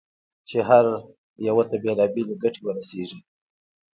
چې هر یوه ته بېلابېلې ګټې ورسېږي.